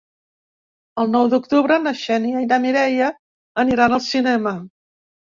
El nou d'octubre na Xènia i na Mireia aniran al cinema.